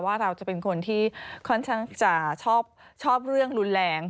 ว่าเราจะเป็นคนที่ค่อนข้างจะชอบเรื่องรุนแรง